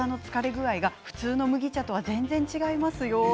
普通の麦茶と全然違いますよ。